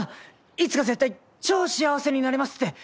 いつか絶対超幸せになれますって！